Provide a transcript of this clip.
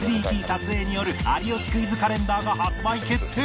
撮影による『有吉クイズ』カレンダーが発売決定！